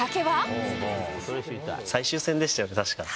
最終戦でしたよね、確か。